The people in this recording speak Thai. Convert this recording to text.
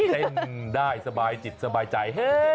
เต้นได้สบายจิตสบายใจ